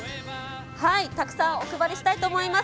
たくさんお配りしたいと思います。